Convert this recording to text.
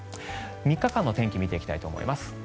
３日間の天気見ていきたいと思います。